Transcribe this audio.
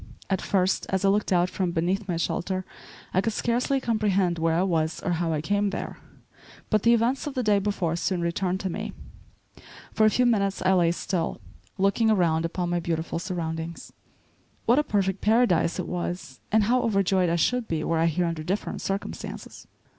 At first, as I looked out from beneath my shelter I could scarcely comprehend where I was or how I came there; but the events of the day before soon returned to me. For a few minutes I lay still, looking around upon my beautiful surroundings. What a perfect paradise it was, and how overjoyed I should be were I here under different circumstances.